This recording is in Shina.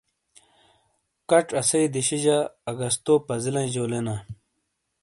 کَچ اسئی دِیشیجہ اگستو پزِیلئی جو لینا ۔